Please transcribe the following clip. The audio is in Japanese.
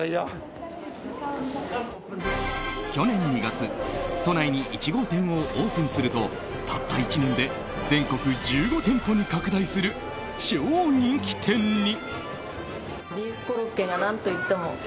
去年２月都内に１号店をオープンするとたった１年で全国１５店舗に拡大する超人気店に。